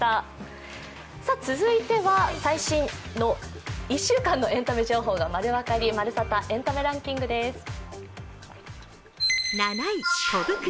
続いては最新の１週間のエンタメ情報が丸分かり「まるサタ！エンタメランキング」です。